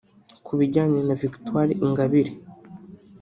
Ku bijyanye na Victoire Ingabire